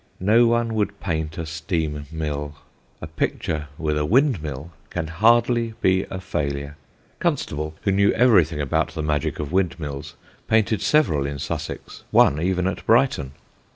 No one would paint a steam mill; a picture with a windmill can hardly be a failure. Constable, who knew everything about the magic of windmills, painted several in Sussex one even at Brighton.